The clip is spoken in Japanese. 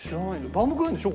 バウムクーヘンでしょ？